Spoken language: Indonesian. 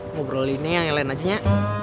ngobrolin ya yang lain aja ya